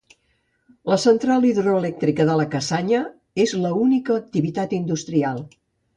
La central hidroelèctrica de la Cassanya és l'única activitat industrial.